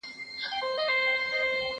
مېوې وچ کړه،